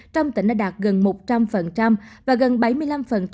trong tỉnh đã đạt gần một trăm linh và gần bảy mươi năm